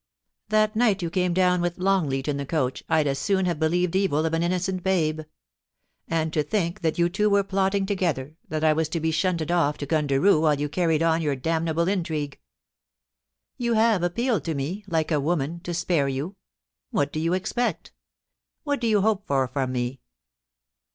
... That night you came down with Longleat in the coach I'd as soon have believed evil of an innocent babe. And to think that you two were plotting together that I was to be shunted off to Gundaroo while you carried on your damnable intrigue !... You have appealed to me — ^like a woman — to spare you. What do you expect ? What do you hope for from me?